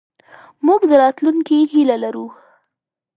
موږ د راتلونکې هیله لرو.